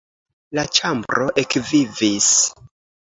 La ĉambro ekvivis.